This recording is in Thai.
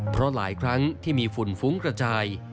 เพราะหลายครั้งที่มีฝุ่นฟุ้งกระจาย